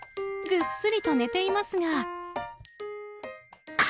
ぐっすりと寝ていますが。